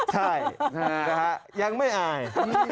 ใช่ยังไม่อาย